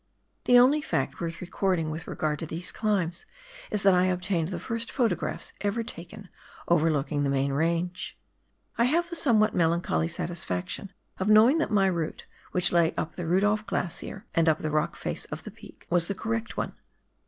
The only fact worth recording with regard to these climbs is that I obtained the first photographs ever taken overlooking the main range. I have the somewhat melancholy satisfaction of knowing that my route, which lay up the Rudolph Glacier, and up the rock face of the peak. TASMAN DISTRICT. 27 was the correct one.